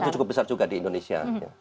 itu cukup besar juga di indonesia